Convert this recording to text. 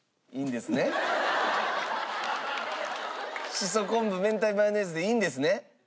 しそ昆布明太マヨネーズでいいんですね？